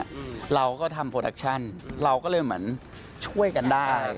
อืมเราก็ทำผู้รับพลังงานเราก็เลยเหมือนช่วยกันได้ฮะ